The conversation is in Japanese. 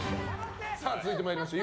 続いて参りましょう。